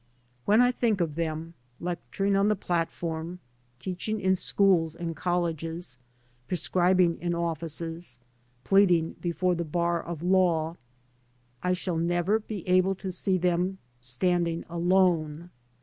When I think of them lecturing on the platform, teaching in schools and col leges, prescribing in offices, pleading before the bar of law, I shall never be able to see them standing alone.